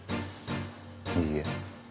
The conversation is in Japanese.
いいえ。